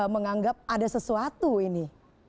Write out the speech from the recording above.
menganggap ada sesuatu ini